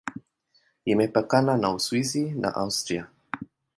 Imepakana na Uswisi na Austria.